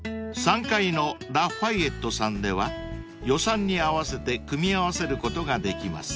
［３階のＬＡＦＡＹＥＴＴＥさんでは予算に合わせて組み合わせることができます］